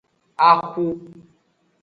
Axu.